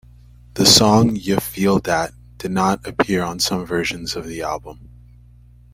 The song "Ya Feel Dat" did not appear on some versions of the album.